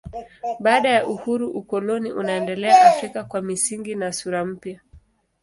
Baada ya uhuru ukoloni unaendelea Afrika kwa misingi na sura mpya.